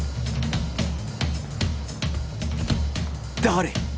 誰！？